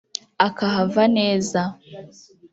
akahava neza